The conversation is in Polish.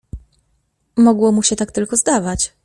"Mogło mu się tak tylko zdawać."